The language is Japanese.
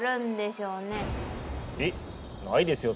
えっないですよ